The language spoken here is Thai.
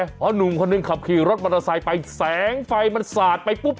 เพราะหนุ่มคนหนึ่งขับขี่รถมอเตอร์ไซค์ไปแสงไฟมันสาดไปปุ๊บ